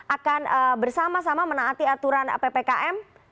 akan bersama sama menaati aturan ppkm